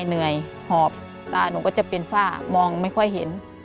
เหนื่อยหอบตาหนูก็จะเป็นฝ้ามองไม่ค่อยเห็น